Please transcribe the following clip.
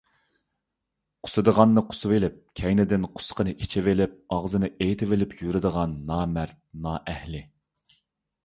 قۇسۇدىغاننى قۇسۇۋېلىپ كەينىدىن قۇسۇقىنى ئىچىۋېلىپ ئاغزىنى ئېيتىۋېلىپ يۈرىدىغان نامەرد، نائەھلى.